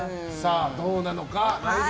どうなのか。